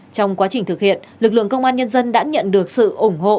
trong quá trình thực hiện lực lượng công an nhân dân đã nhận được sự ủng hộ